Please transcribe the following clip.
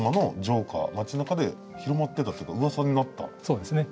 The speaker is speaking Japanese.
そうですね。